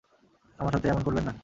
আমার সাথে এমন করবেন না।